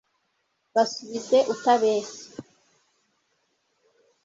basubize utabeshya